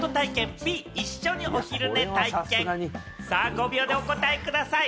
５秒でお答えください。